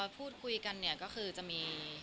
พูดคุยกันเนี่ยก็คือจะมี